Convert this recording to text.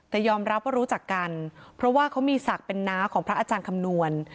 แต่ยอมรับว่ารู้จักกันเพราะว่าเขามีศักดิ์เป็นน้าของพระอาจารย์คำนวณ